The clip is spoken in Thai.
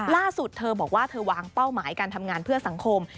ล่าสุดเธอบอกว่าเธอวางเป้าหมายการทำงานเพื่อสังคม